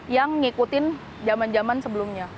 yang ngikutin zaman zaman sebelumnya